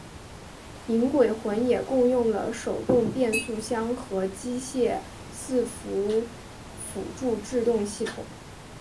银鬼魂也共用了手动变速箱和机械伺服辅助制动系统。